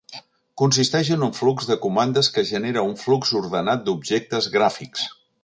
Consisteix en un flux de comandes que generen un flux ordenat d'objectes gràfics.